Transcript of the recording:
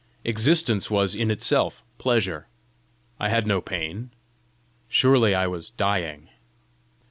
Existence was in itself pleasure. I had no pain. Surely I was dying!